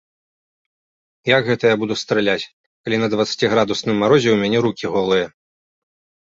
Як гэта я буду страляць, калі на дваццаціградусным марозе ў мяне рукі голыя?